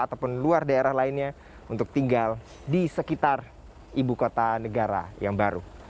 ataupun luar daerah lainnya untuk tinggal di sekitar ibu kota negara yang baru